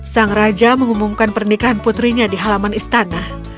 sang raja mengumumkan pernikahan putrinya di halaman istana